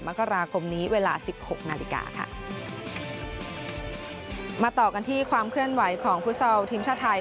มกราคมนี้เวลาสิบหกนาฬิกาค่ะมาต่อกันที่ความเคลื่อนไหวของฟุตซอลทีมชาติไทย